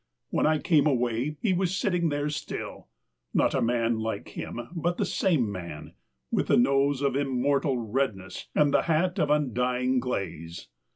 When I came away he was sitting there still !— not a man like him, but the same man — with the nose of im mortal redness and the hat of undying glaze.